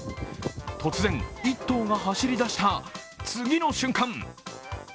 突然、１頭が走り出した次の瞬間！